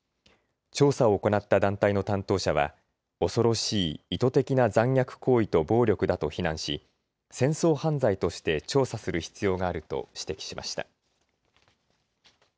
調査を行った団体の担当者は恐ろしい意図的な残虐行為と暴力だと非難し戦争犯罪として調査する必要があると指摘しました。